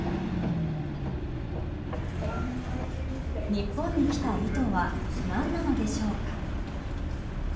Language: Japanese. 日本に来た意図は何なのでしょうか。